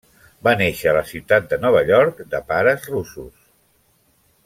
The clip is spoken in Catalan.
Va néixer a la ciutat de Nova York, de pares russos.